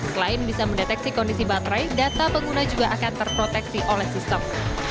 selain bisa mendeteksi kondisi baterai data pengguna juga akan terproteksi oleh sistem